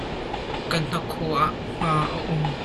ka hnakhaw ah hma a um.